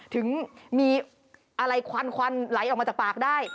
ถึงมีอะไรควันควันไหลออกมาจากปากได้